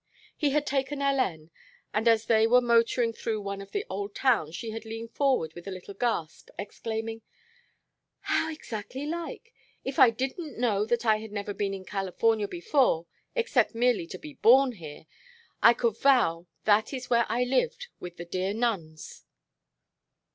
He had taken Hélène, and as they were motoring through one of the old towns she had leaned forward with a little gasp exclaiming: "How exactly like! If I didn't know that I had never been in California before except merely to be born here I could vow that is where I lived with the dear nuns."